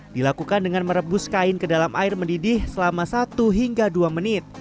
dilakukan dengan merebus kain ke dalam air mendidih selama satu hingga dua menit